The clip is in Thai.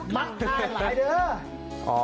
มักเลยเด้ว